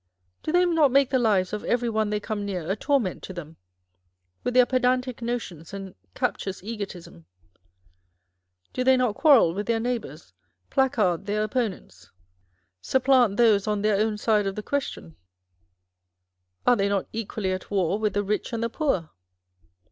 Do they not make the lives of every one they come near a torment to them, with their pedantic notions and cap tious egotism ? Do they not quarrel with their neigh bours, placard their opponents, supplant those on their 1 Bacon, in speaking of the Schoolmen. The New School of Eeform. 255 own side of the question ? Are they not equally at war with the rich and the poor?